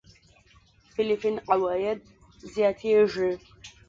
فېليپين عوايد زياتېږي.